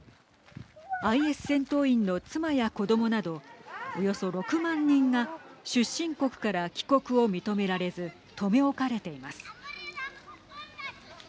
ＩＳ戦闘員の妻や子どもなどおよそ６万人が出身国から帰国を認められず留め置かれています。